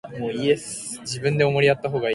サンタクロース